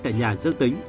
tại nhà dương tính